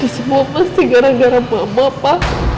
semua pasti gara gara papa pa